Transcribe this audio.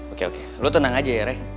oke oke lo tenang aja ya ray